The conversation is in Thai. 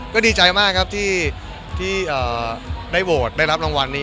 ก็ดีใจมากครับที่ได้โหวตได้รับรางวัลนี้